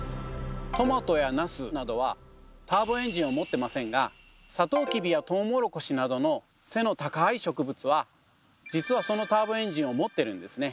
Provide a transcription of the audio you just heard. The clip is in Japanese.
トマトやナスなどはターボエンジンを持ってませんがサトウキビやトウモロコシなどの背の高い植物はじつはそのターボエンジンを持ってるんですね。